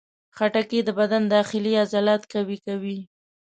خټکی د بدن داخلي عضلات قوي کوي.